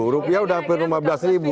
rupiah sudah hampir lima belas ribu